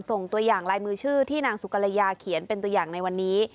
ส่งตัวอย่างลายมือชื่อที่นางสุกรยาเขียนเป็นตัวอย่างในวันนี้